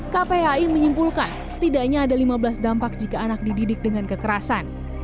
kpai menyimpulkan setidaknya ada lima belas dampak jika anak dididik dengan kekerasan